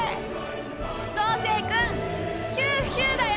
昴生君ヒューヒューだよ！